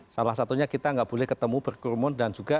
salah satunya kita tidak boleh ketemu berkurun dan juga